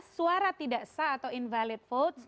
dua ribu empat belas suara tidak sah atau invalid vote